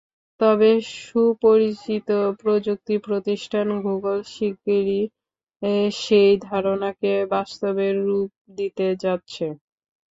তবে সুপরিচিত প্রযুক্তি প্রতিষ্ঠান গুগল শিগগিরই সেই ধারণাকে বাস্তবে রূপ দিতে যাচ্ছে।